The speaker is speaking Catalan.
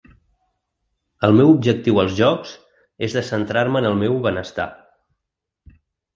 El meu objectiu als jocs és de centrar-me en el meu benestar.